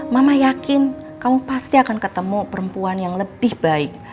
mama yakin kamu pasti akan ketemu perempuan yang lebih baik